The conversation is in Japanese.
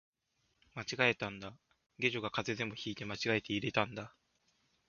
間違えたんだ、下女が風邪でも引いて間違えて入れたんだ